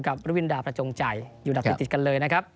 รุวินดาประจงใจอยู่อันดับติดกันเลยนะครับ